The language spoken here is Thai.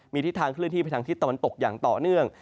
มีทิศทางเคลื่อนที่ไปทางทิศตะวันตกอย่างต่อเนื่อง